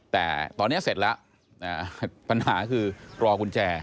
แต่ตอนนี้เสร็จแล้วปัญหาคือรอกุญแจ